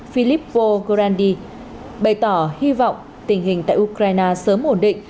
philip v grandi bày tỏ hy vọng tình hình tại ukraine sớm ổn định